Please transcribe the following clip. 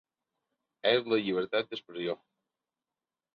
És la llibertat d’expressió.